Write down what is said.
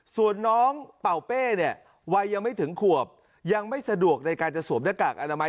ส่วนน้องเป่าเป้เนี่ยวัยยังไม่ถึงขวบยังไม่สะดวกในการจะสวมหน้ากากอนามัย